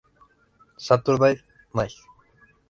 Saturday Night".